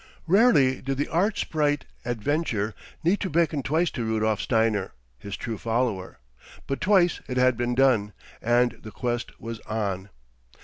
Rarely did the arch sprite Adventure need to beckon twice to Rudolf Steiner, his true follower. But twice it had been done, and the quest was on.